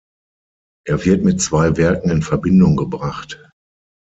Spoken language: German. Er wird mit zwei Werken in Verbindung gebracht.